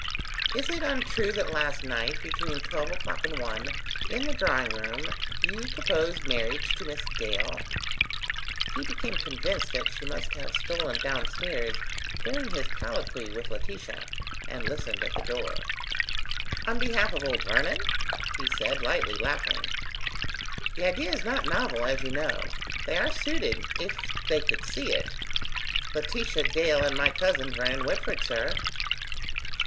"Is it untrue that last night, between twelve o'clock and one, in the drawing room, you proposed marriage to Miss Dale?" He became convinced that she must have stolen down stairs during his colloquy with Laetitia, and listened at the door. "On behalf of old Vernon?" he said, lightly laughing. "The idea is not novel, as you know. They are suited, if they could see it. Laetitia Dale and my cousin Vernon Whitford, sir."